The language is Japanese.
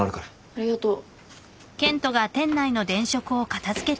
ありがとう。